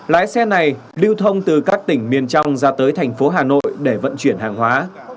lái xe này lưu thông từ các tỉnh miền trong ra tới thành phố hà nội để vận chuyển hàng hóa